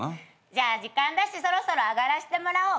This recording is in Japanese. じゃあ時間だしそろそろあがらせてもらおう。